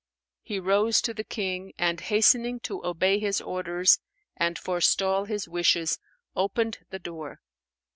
He rose to the King; and, hastening to obey his orders and forestall his wishes, opened the door.